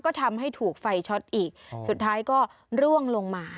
ก็ทำให้ถูกไฟช็อตอีกสุดท้ายก็ร่วงลงมา